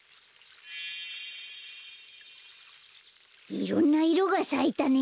いろんないろがさいたね。